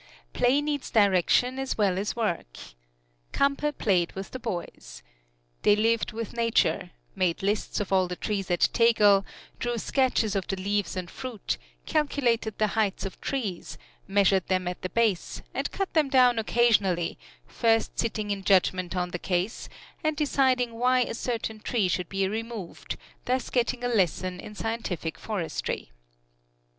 Play needs direction as well as work. Campe played with the boys. They lived with Nature made lists of all the trees at Tegel, drew sketches of the leaves and fruit, calculated the height of trees, measured them at the base, and cut them down occasionally, first sitting in judgment on the case, and deciding why a certain tree should be removed, thus getting a lesson in scientific forestry.